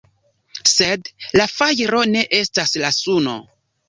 Sed la fajro ne estas la suno.